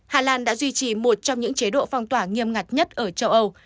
hà lan đã duy trì một trong những chế độ phong tỏa nghiêm ngặt nhất ở châu âu